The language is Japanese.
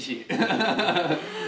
ハハハハ！